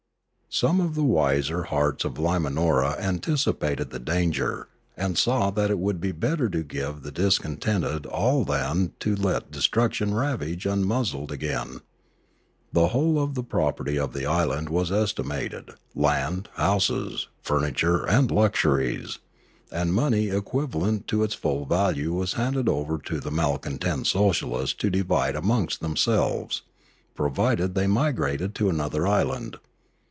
Some of the wiser hearts of Limanora anticipated the danger, and saw that it would be better to give the dis contented all than to let destruction ravage unmuzzled again. The whole of the property of the island was estimated, land, houses, furniture, and luxuries; and money equivalent to its full value was handed over to the malcontent socialists to divide amongst themselves, provided they migrated to another island.